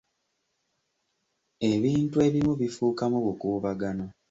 Ebintu ebimu bifuukamu bukuubagano.